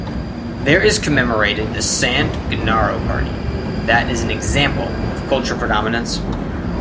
There is commemorated the "San Gennaro Party" that is an example of culture predominance.